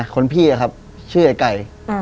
คนพี่อะครับชื่อไอ้ไก่